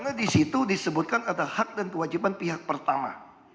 karena disitu disebutkan ada hak dan kewajiban pihak pertama